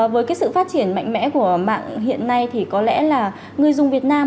với cái sự phát triển mạnh mẽ của mạng hiện nay thì có lẽ là người dùng việt nam